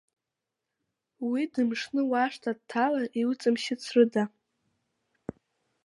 Уи дымшны уашҭа дҭалар иуҵамшьыцрыда?